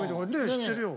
知ってるよ。